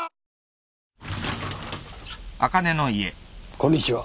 こんにちは。